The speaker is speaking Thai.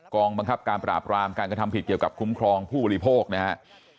กองบังคับการปราบรามการกระทำผิดเกี่ยวกับคุ้มครองผู้บริโภคนะครับ